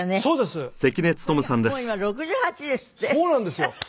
そうなんですよ。